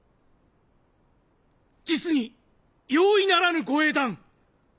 実に容易ならぬご英断！